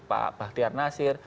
pak bahtiar nasir